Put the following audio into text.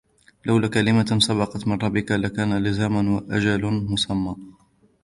وَلَوْلَا كَلِمَةٌ سَبَقَتْ مِنْ رَبِّكَ لَكَانَ لِزَامًا وَأَجَلٌ مُسَمًّى